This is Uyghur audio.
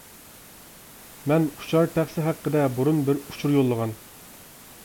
مەن ئۇچار تەخسە ھەققىدە بۇرۇن بىر ئۇچۇر يوللىغان.